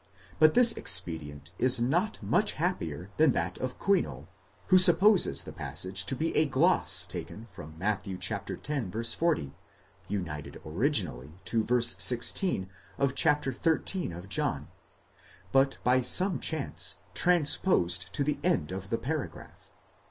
but this expedient is not much happier than that of Kuindl, who supposes the passage to be a gloss taken from Matt. x. 40, united originally to v. 16 of chap. xiii. of John, but by some chance transposed to the end of the paragraph.